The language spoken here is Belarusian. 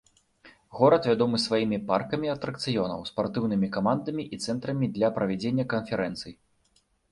Горад вядомы сваімі паркамі атракцыёнаў, спартыўнымі камандамі і цэнтрамі для правядзення канферэнцый.